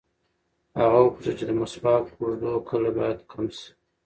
هغه وپوښتل چې د مسواک اوږدو کله باید کم شي.